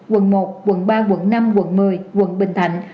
quận một quận ba quận năm quận một mươi quận bình thạnh